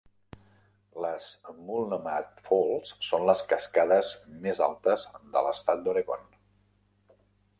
Les Multnomah Falls són les cascades més altes de l'estat d'Oregon.